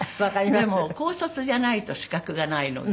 でも高卒じゃないと資格がないので。